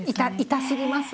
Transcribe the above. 痛すぎます。